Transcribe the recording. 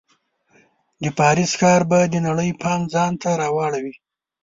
د پاریس ښار به د نړۍ پام ځان ته راواړوي.